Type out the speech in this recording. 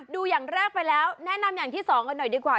อย่างแรกไปแล้วแนะนำอย่างที่สองกันหน่อยดีกว่า